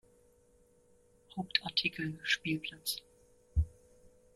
Hauptartikel: Spielplatz.